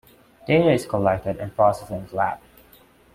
Data is collected and processed in the lab.